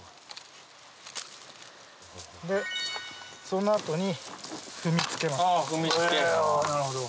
その後に踏みつけます。